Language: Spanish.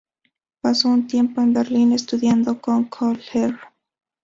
Pasó un tiempo en Berlín estudiando con Kohler.